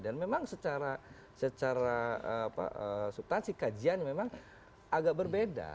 dan memang secara subtansi kajian memang agak berbeda